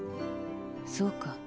そうか。